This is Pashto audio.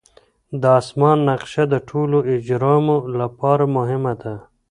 د اسمان نقشه د ټولو اجرامو لپاره مهمه ده.